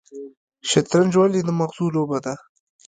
شطرنج ولې د مغز لوبه ده؟